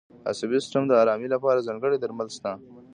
د عصبي سیستم د آرامۍ لپاره ځانګړي درمل شته.